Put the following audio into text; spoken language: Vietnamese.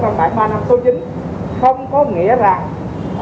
năm ba năm số chín không có nghĩa rằng